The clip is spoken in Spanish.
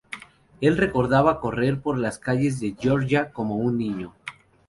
Él recordaba correr por las calles de Georgia, como un niño.